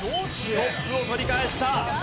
トップを取り返した。